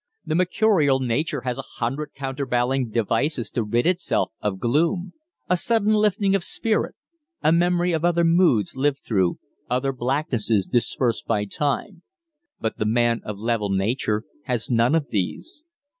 The mercurial nature has a hundred counterbalancing devices to rid itself of gloom a sudden lifting of spirit, a memory of other moods lived through, other blacknesses dispersed by time; but the man of level nature has none of these.